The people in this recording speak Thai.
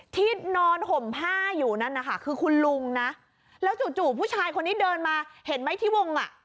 ที่นอนห่มผ้าอยู่นั่นนะคะคือคุณลุงนะแล้วจู่ผู้ชายคนนี้เดินมาเห็นไหมที่วงอ่ะ